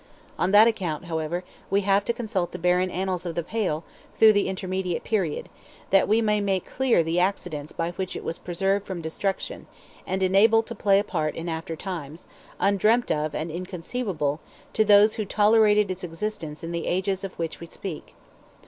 On that account, however, we have to consult the barren annals of "the Pale" through the intermediate period, that we may make clear the accidents by which it was preserved from destruction, and enabled to play a part in after times, undreamt of and inconceivable, to those who tolerated its existence in the ages of which we speak.